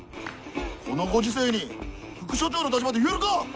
このご時世に副署長の立場で言えるか！